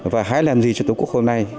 và hãy làm gì cho tổ quốc hôm nay